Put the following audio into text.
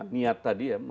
niat tadi ya